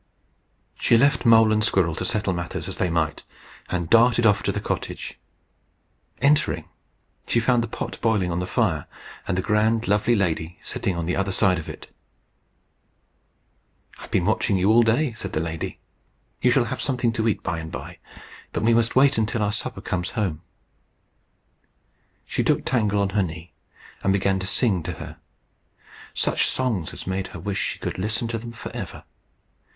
She left Mole and Squirrel to settle matters as they might, and darted off to the cottage. Entering, she found the pot boiling on the fire, and the grand, lovely lady sitting on the other side of it. "I've been watching you all day," said the lady. "You shall have something to eat by and by, but we must wait till our supper comes home." She took Tangle on her knee, and began to sing to her such songs as made her wish she could listen to them for ever.